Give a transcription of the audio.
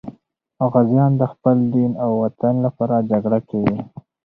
غازیان د خپل دین او وطن لپاره جګړه کوي.